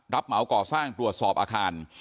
เหมาก่อสร้างตรวจสอบอาคาร